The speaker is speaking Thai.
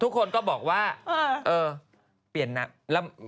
ทุกคนก็บอกว่าเออเปลี่ยนน้ำ